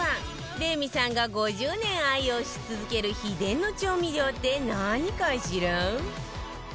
レミさんが５０年愛用し続ける秘伝の調味料って何かしら？